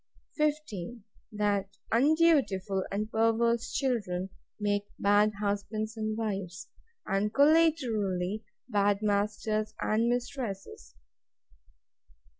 15. That undutiful and perverse children make bad husbands and wives: And, collaterally, bad masters and mistresses.